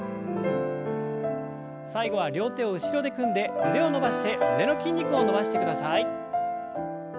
最後は両手を後ろで組んで腕を伸ばして胸の筋肉を伸ばしてください。